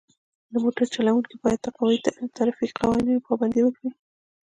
د موټر چلوونکي باید د ترافیکي قوانینو پابندي وکړي.